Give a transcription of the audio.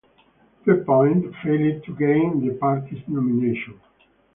Pierpont failed to gain the party's nomination.